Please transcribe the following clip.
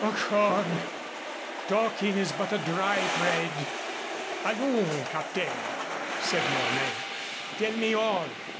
"Ochone! Talking is but a dry thrade." "Allons, Captain," said Mornay, "tell me all."